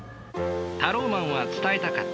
タローマンは伝えたかった。